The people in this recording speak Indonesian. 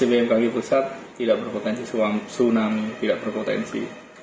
bmkg pusat tidak berpotensi tsunami tidak berpotensi